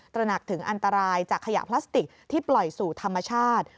ระหนักถึงอันตรายจากขยะพลาสติกที่ปล่อยสู่ธรรมชาติ